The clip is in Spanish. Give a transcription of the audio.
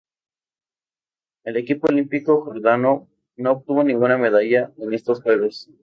El equipo olímpico jordano no obtuvo ninguna medalla en estos Juegos.